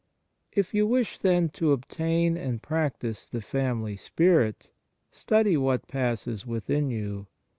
If you wish, then, to obtain and practise the family spirit, study what passes within you.